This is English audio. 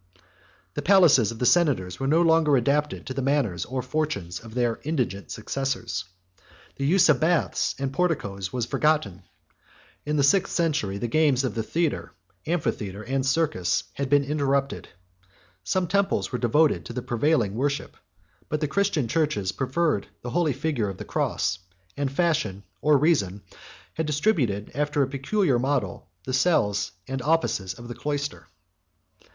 The palaces of the senators were no longer adapted to the manners or fortunes of their indigent successors: the use of baths 32 and porticos was forgotten: in the sixth century, the games of the theatre, amphitheatre, and circus, had been interrupted: some temples were devoted to the prevailing worship; but the Christian churches preferred the holy figure of the cross; and fashion, or reason, had distributed after a peculiar model the cells and offices of the cloister.